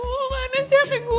aduh mana sih hape gue